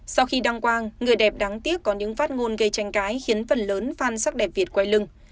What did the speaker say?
sau khi đăng quang người đẹp đáng tiếc có những phát ngôn gây tranh cãi khiến phần lớn phan sắc đẹp việt quay lưng